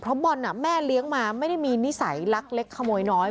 เพราะบอลแม่เลี้ยงมาไม่ได้มีนิสัยลักเล็กขโมยน้อย